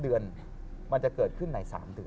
เดือนมันจะเกิดขึ้นใน๓เดือน